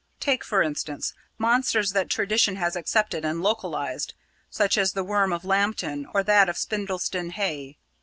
Take, for instance, monsters that tradition has accepted and localised, such as the Worm of Lambton or that of Spindleston Heugh.